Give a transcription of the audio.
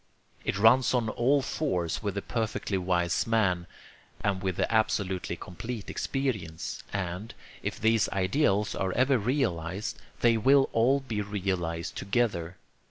It runs on all fours with the perfectly wise man, and with the absolutely complete experience; and, if these ideals are ever realized, they will all be realized together.